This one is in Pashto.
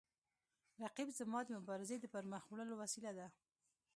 رقیب زما د مبارزې د پرمخ وړلو وسیله ده